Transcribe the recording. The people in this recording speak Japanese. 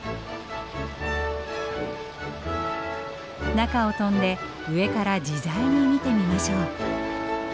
中を飛んで上から自在に見てみましょう。